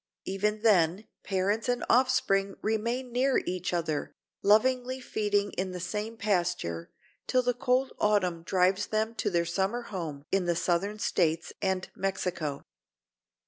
Even then parents and offspring remain near each other, lovingly feeding in the same pasture, till the cold autumn drives them to their summer home in the Southern States and Mexico.